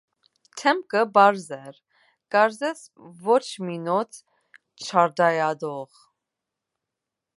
Դէմքը պարզ էր, կարծես ոչ մի նօթ չարտայայտող։